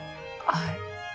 はい。